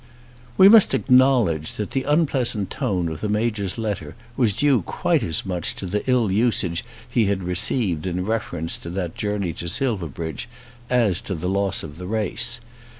We must acknowledge that the unpleasant tone of the Major's letter was due quite as much to the ill usage he had received in reference to that journey to Silverbridge, as to the loss of the race.